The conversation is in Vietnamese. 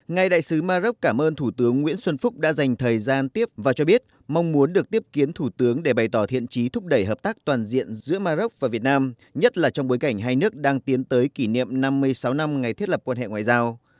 ngài đại sứ maroc cảm ơn thủ tướng nguyễn xuân phúc đã dành thời gian tiếp và cho biết mong muốn được tiếp kiến thủ tướng để bày tỏ thiện trí thúc đẩy hợp tác toàn diện giữa maroc và việt nam nhất là trong bối cảnh hai nước đang tiến tới kỷ niệm năm mươi sáu năm ngày thiết lập quan hệ ngoại giao